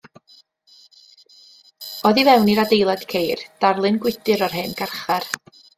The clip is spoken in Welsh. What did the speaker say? Oddi fewn i'r adeilad ceir darlun gwydr o'r hen garchar.